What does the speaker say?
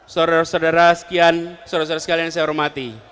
suruh saudara sekalian yang saya hormati